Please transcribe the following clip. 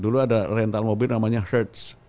dulu ada rental mobil namanya herds